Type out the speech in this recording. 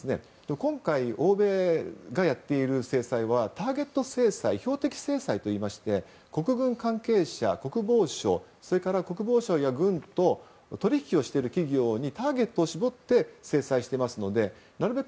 今回、欧米がやっている制裁はターゲット制裁標的制裁といいまして国軍関係者、国防省国防省や軍と取引をしている企業にターゲットを絞って制裁していますのでなるべく